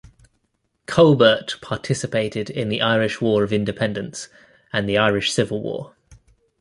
Colbert participated in the Irish War of Independence and the Irish Civil War.